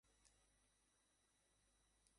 বেহারা কহিল, আপনাকে।